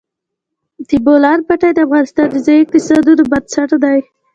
د بولان پټي د افغانستان د ځایي اقتصادونو بنسټ دی.